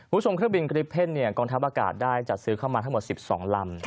คุณผู้ชมเครื่องบินกริปเพ่นกองทัพอากาศได้จัดซื้อเข้ามาทั้งหมด๑๒ลำ